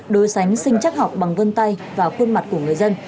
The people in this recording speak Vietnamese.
đối sánh sinh chắc học bằng vân tay và khuôn mặt của người dân